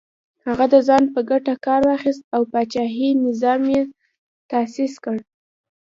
هغه د ځان په ګټه کار واخیست او پاچاهي نظام یې تاسیس کړ.